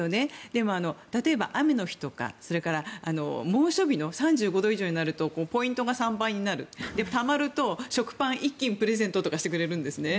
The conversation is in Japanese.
でも、例えば雨の日とか猛暑日の３５度以上になるとポイントが３倍になるたまると食パン１斤プレゼントとかしてくれるんですね。